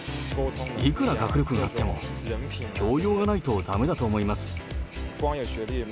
いくら学力があっても、教養がないとだめだと思います。